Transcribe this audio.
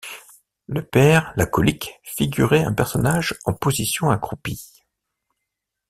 Le Père la Colique figurait un personnage en position accroupie.